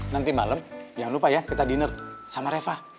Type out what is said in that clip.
nanti malem jangan lupa ya kita diner sama reva